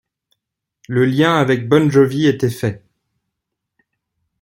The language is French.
Le lien avec Bon Jovi était fait.